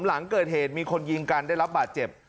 หลังเกิดเหตุมีคนยิงกันได้รับบาดเจ็บ